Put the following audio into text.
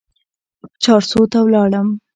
چارسو ته ولاړم.